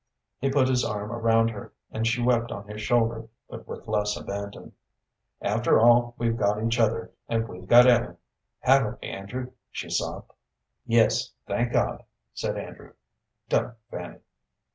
He put his arm around her, and she wept on his shoulder, but with less abandon. "After all, we've got each other, and we've got Ellen, haven't we, Andrew?" she sobbed. "Yes, thank God," said Andrew. "Don't, Fanny."